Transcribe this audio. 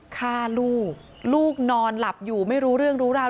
ฆ่าลูกลูกนอนหลับอยู่ไม่รู้เรื่องรู้ราว